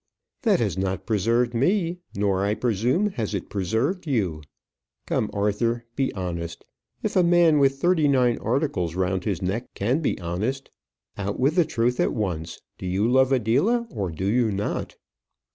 "That has not preserved me nor, I presume, has it preserved you. Come, Arthur, be honest; if a man with thirty nine articles round his neck can be honest. Out with the truth at once. Do you love Adela, or do you not?"